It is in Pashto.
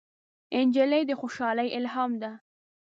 نجلۍ د خوشحالۍ الهام ده.